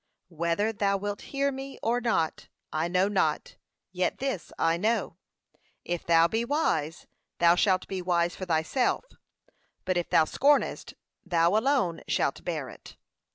Whether thou wilt hear me or not, I know not, yet this I know, 'If thou be wise, thou shalt be wise for thyself: but if thou scornest, thou alone shalt bear it.'